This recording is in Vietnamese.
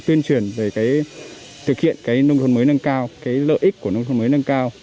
tuyên truyền về thực hiện nông thôn mới nâng cao lợi ích của nông thôn mới nâng cao